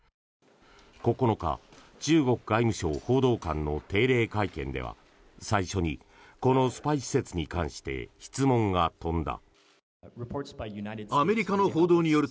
９日、中国外務省報道官の定例会見では最初に、このスパイ施設に関して質問が飛んだ。